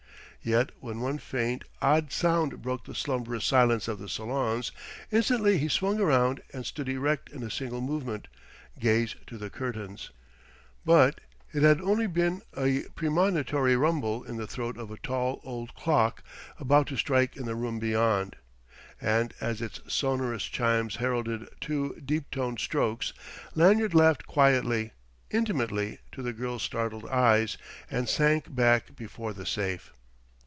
Yet when one faint, odd sound broke the slumberous silence of the salons, instantly he swung around and stood erect in a single movement, gaze to the curtains. But it had only been a premonitory rumble in the throat of a tall old clock about to strike in the room beyond. And as its sonorous chimes heralded two deep toned strokes, Lanyard laughed quietly, intimately, to the girl's startled eyes, and sank back before the safe.